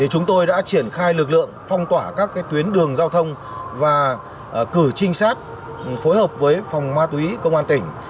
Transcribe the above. chúng tôi đã triển khai lực lượng phong tỏa các tuyến đường giao thông và cử trinh sát phối hợp với phòng ma túy công an tỉnh